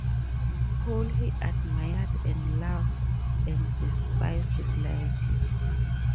Paul he admired and loved and despised slightly.